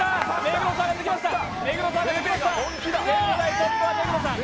トップは目黒さん。